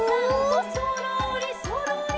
「そろーりそろり」